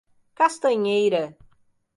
Castanheira